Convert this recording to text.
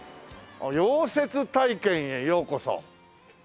「溶接体験へようこそ！！」